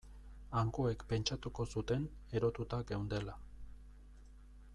Hangoek pentsatuko zuten erotuta geundela.